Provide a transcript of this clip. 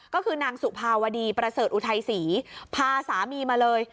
ก็คือนางสุภาวดีประเสริฐอุทัยศรีพาสามีมาเลย